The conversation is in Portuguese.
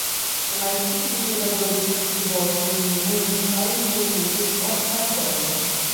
Uma equipe de jogadores de futebol feminino em uniformes vermelhos corre para a bola.